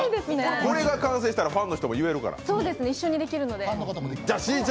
これが完成したらファンの人も言えるから。